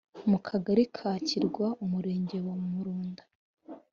mu Kagari ka Kirwa Umurenge wa Murunda